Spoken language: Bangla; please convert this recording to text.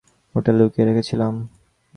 ওটা লুকিয়ে রেখেছিলাম।